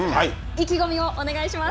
意気込みをお願いします。